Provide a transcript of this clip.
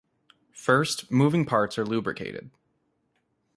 First, moving parts are lubricated.